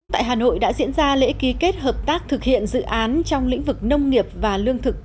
tại hà nội đã diễn ra lễ ký kết hợp tác thực hiện dự án trong lĩnh vực nông nghiệp và lương thực